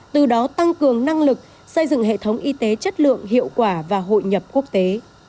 từ đó tăng cường năng lực xây dựng hệ thống y tế chất lượng hiệu quả và hội nhập quốc tế